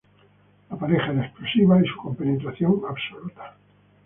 La pareja era explosiva, y su compenetración, absoluta.